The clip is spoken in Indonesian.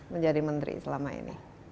menjadi menteri selama ini